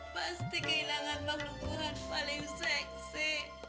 pasti kehilangan makhluk tuhan paling seksi